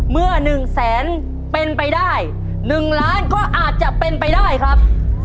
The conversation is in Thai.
เมื่อ๑แสนเป็นไปได้๑ล้านก็อาจจะเป็นไปได้ครับ